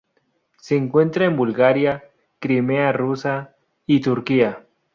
Se encuentra en Bulgaria, Crimea rusa, y Turquía.